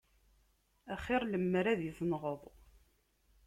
A xir lemmer ad i-tenɣeḍ.